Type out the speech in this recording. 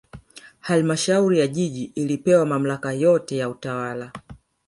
halmashauri ya jiji ilipewa mamlaka yote ya kutawala